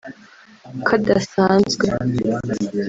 ko adasanzwe